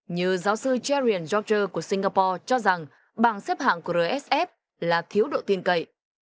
như giáo sư jerrion george của singapore cho rằng bảng xếp hạng của rsf là thiếu độ tiền cậy